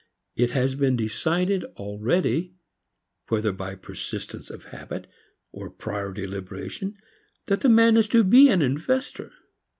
It has been decided already, whether by persistence of habit, or prior deliberation, that the man is to be an investor.